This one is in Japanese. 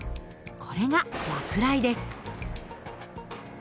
これが落雷です。